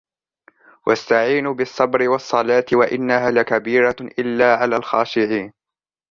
وَاسْتَعِينُوا بِالصَّبْرِ وَالصَّلَاةِ وَإِنَّهَا لَكَبِيرَةٌ إِلَّا عَلَى الْخَاشِعِينَ